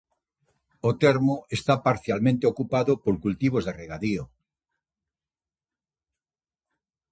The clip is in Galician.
O termo está parcialmente ocupado por cultivos de regadío.